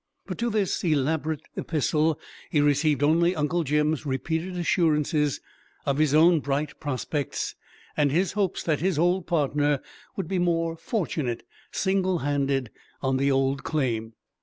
But to this elaborate epistle he received only Uncle Jim's repeated assurances of his own bright prospects, and his hopes that his old partner would be more fortunate, single handed, on the old claim.